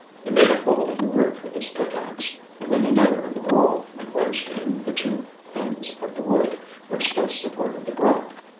He made a hole in the roof with his pickaxe, and then another in the wall, and wedged in the two ends of the wood, which thus supported the rock.